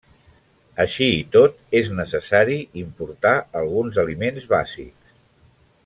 Així i tot és necessari importar alguns aliments bàsics.